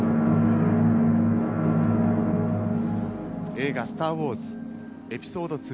映画「スター・ウォーズエピソード２」